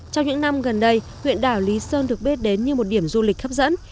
trong những năm gần đây huyện đảo lý sơn được biết đến như một điểm du lịch hấp dẫn